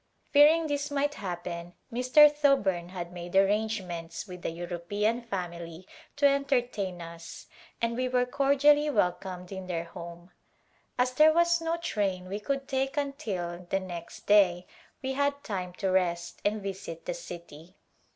Fearing this might happen Mr. Thoburn had made arrangements with a European family to enter tain us and we were cordially welcomed in their home. As there was no train we could take until the next day, we had time to rest and visit the city.